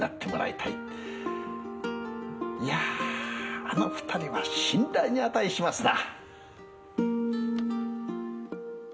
いやあの二人は信頼に値しますな。